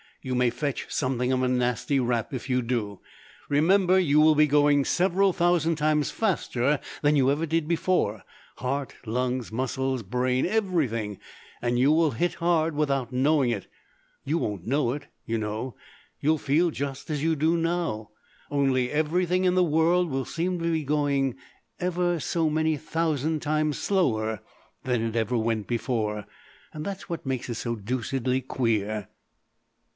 You may fetch something a nasty rap if you do. Remember you will be going several thousand times faster than you ever did before, heart, lungs, muscles, brain everything and you will hit hard without knowing it. You won't know it, you know. You'll feel just as you do now. Only everything in the world will seem to be going ever so many thousand times slower than it ever went before. That's what makes it so deuced queer."